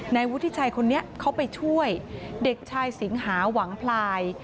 วุฒิชัยคนนี้เขาไปช่วยเด็กชายสิงหาหวังพลาย